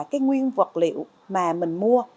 cái nguyên vật liệu mà mình mua